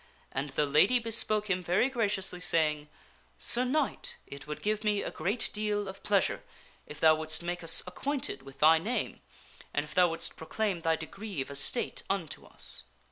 And the lady bespoke him very graciously, saying, Sir Knight, it would give me a great deal of pleasure if thou wouldst make us acquainted with thy name, and if thou woi proclaim thy degree of estate unto us."